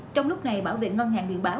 trong lúc này bảo vệ ngân hàng biện báo